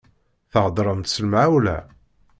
Theddṛemt s lemɣawla.